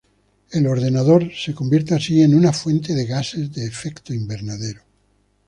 El ordenador se convierte así en una fuente de gases de efecto invernadero.